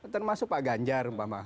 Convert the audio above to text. terus masuk pak ganjar umpama